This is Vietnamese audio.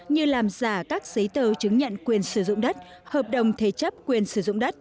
như làm giả các giấy tờ chứng nhận quyền sử dụng đất hợp đồng thế chấp quyền sử dụng đất